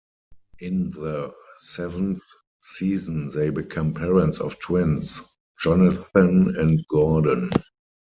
In the seventh season they become parents of twins Jonathan and Gordon.